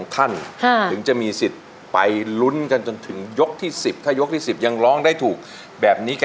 ทั้งคู่มีเงินทุนสะสมร่วมกันค่ะ